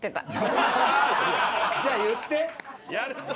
じゃあ言って。